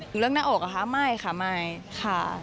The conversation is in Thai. เรื่องหน้าอกเหรอคะไม่ค่ะไม่ค่ะ